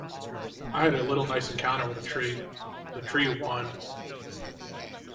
"I had a nice little encounter with a tree... the tree won".